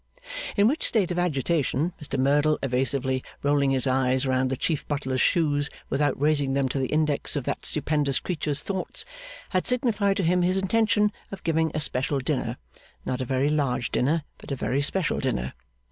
In which state of agitation, Mr Merdle, evasively rolling his eyes round the Chief Butler's shoes without raising them to the index of that stupendous creature's thoughts, had signified to him his intention of giving a special dinner: not a very large dinner, but a very special dinner.